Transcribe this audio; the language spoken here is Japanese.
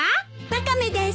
ワカメです。